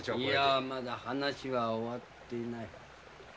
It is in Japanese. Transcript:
いやまだ話は終わっていない。